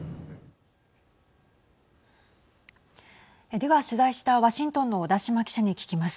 では取材したワシントンの小田島記者に聞きます。